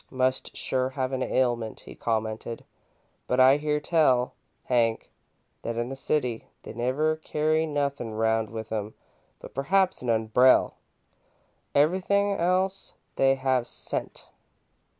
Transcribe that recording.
"Must sure have a ailment," he commented, "but I hear tell, Hank, that in the city they never carry nothin' round with 'em but perhaps an umbrell. Everythin' else they have 'sent.'"